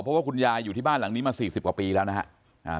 เพราะว่าคุณยายอยู่ที่บ้านหลังนี้มา๔๐กว่าปีแล้วนะครับ